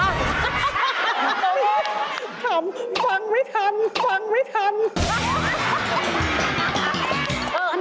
ขำฟังไม่ทันฟังไม่ทัน